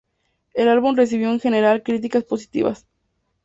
El álbum recibió en general críticas positivas.